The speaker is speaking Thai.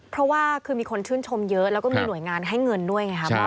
เพราะว่าคือมีคนชื่นชมเยอะแล้วก็มีหน่วยงานให้เงินด้วยไงครับ